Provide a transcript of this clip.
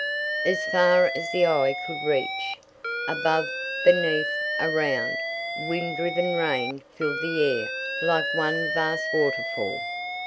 As far as the eye could reach, above, beneath, around, wind driven rain filled the air like one vast waterfall.